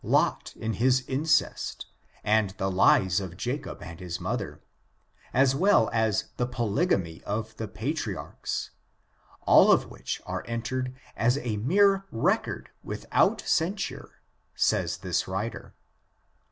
Lot in his incest, and the lies of JaaA and his mother, as well as the polygamy of the pa triarchs ; all of which are entered as a mere record without censure, says this writer.